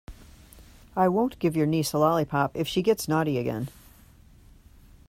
I won't give your niece a lollipop if she gets naughty again.